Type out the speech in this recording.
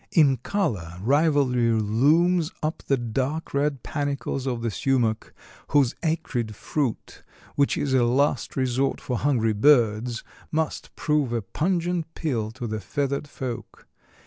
In color rivalry looms up the dark red panicles of the sumach, whose acrid fruit, which is a last resort for hungry birds, must prove a pungent pill to the feathered folk.